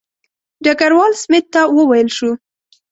ډګروال سمیت ته وویل شو.